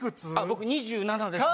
僕２７です